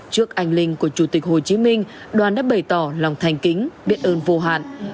trước anh linh của chủ tịch hồ chí minh đoàn đã bày tỏ lòng thành kính biết ơn vô hạn